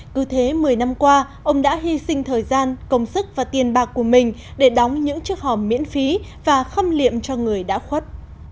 cứ thế một mươi năm qua ông đã hy sinh thời gian công sức và tiền bạc của mình để đóng những chiếc hòm miễn phí và khâm liệm cho người đã khuất